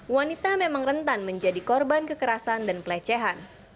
wanita memang rentan menjadi korban kekerasan dan pelecehan